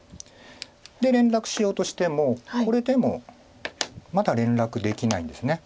で連絡しようとしてもこれでもまだ連絡できないんです。